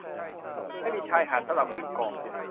ไม่มีชายหาดสำหรับขึ้นเกาะ